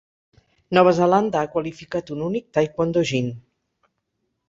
Nova Zelanda ha qualificat un únic taekwondo jin.